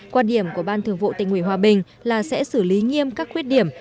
quan điểm của ban thường vụ tỉnh hòa bình là sẽ xử lý nghiêm các khuyết điểm